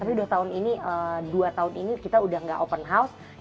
tapi udah tahun ini dua tahun ini kita udah gak open house